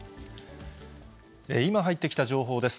今入ってきた情報です。